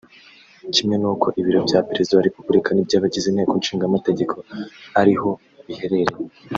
kimwe n’uko ibiro bya Perezida wa Repubulika n’iby’abagize Inteko Ishinga Amategeko ariho biherereye